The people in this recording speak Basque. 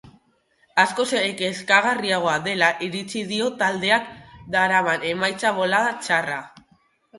Askoz ere kezkagarriagoa dela iritzi dio taldeak daraman emaitza bolada txarra.